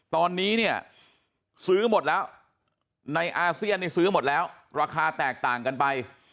ตอนนี้เนี่ยซื้อหมดแล้วในอาเซียนนี่ซื้อหมดแล้วราคาแตกต่างกันไป